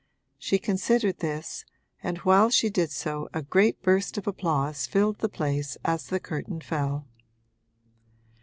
She considered this, and while she did so a great burst of applause filled the place as the curtain fell.